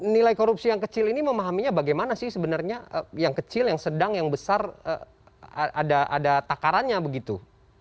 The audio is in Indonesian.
nilai korupsi yang kecil ini memahaminya bagaimana sih sebenarnya yang kecil yang sedang yang besar ada takarannya begitu